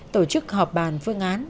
tổ chức họp bàn phương án